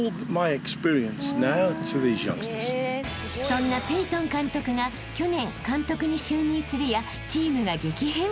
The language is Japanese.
［そんなペイトン監督が去年監督に就任するやチームが激変］